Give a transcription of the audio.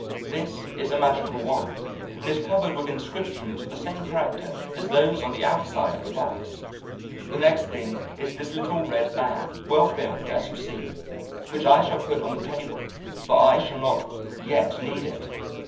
This is a magical wand, and is covered with inscriptions of the same character as those on the outside of the box. The next thing is this little red bag, well filled, as you see, which I shall put on the table, for I shall not yet need it.